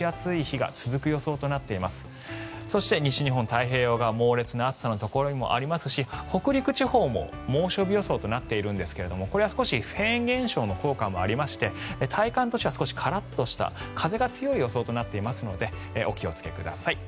そして、西日本太平洋側猛烈な暑さのところもありますし北陸地方も猛暑日予想となっていますがこれは少しフェーン現象の効果もありまして体感としてはカラッとした風が強い予想となっていますのでお気をつけください。